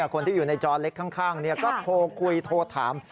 คนที่อยู่ในจอเล็กข้างก็โทรคุยโทรถาม